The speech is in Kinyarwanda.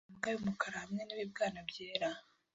Imbwa y'umukara hamwe n'ibibwana byera